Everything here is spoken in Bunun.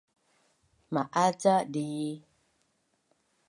Ma’az ca dii?